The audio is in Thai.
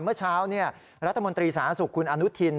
เมื่อเช้ารัฐมนตรีสาธารณสุขคุณอนุทิน